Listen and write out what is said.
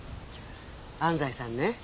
⁉安西さんね